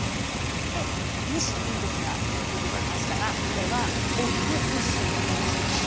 で西玄哲が出てきましたが彼は奥医師になります。